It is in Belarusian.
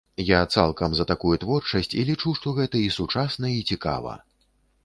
Я цалкам за такую творчасць і лічу, што гэта і сучасна, і цікава.